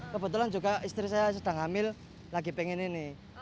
kebetulan juga istri saya sedang hamil lagi pengen ini